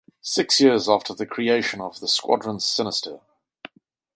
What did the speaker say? Six years after the creation of the Squadron Sinister.